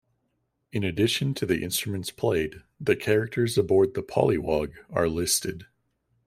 In addition to instruments played, the characters aboard the "Pollywogg" are listed.